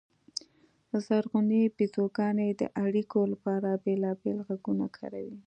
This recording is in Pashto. زرغونې بیزوګانې د اړیکو لپاره بېلابېل غږونه کاروي.